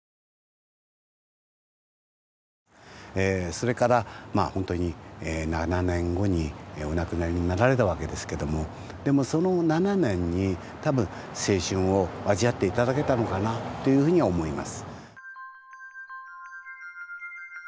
それからホントに７年後にお亡くなりになられたわけですがでもその７年にたぶん青春を味わっていただけたのかなというふうに思います。